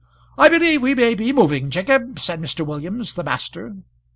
"I believe we may be moving, Jacob," said Mr. Williams, the master.